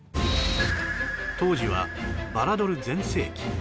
当時はバラドル全盛期